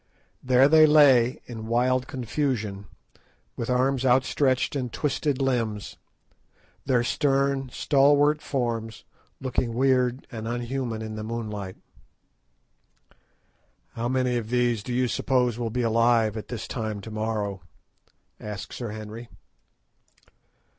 There they lay in wild confusion, with arms outstretched and twisted limbs; their stern, stalwart forms looking weird and unhuman in the moonlight. "How many of these do you suppose will be alive at this time to morrow?" asked Sir Henry.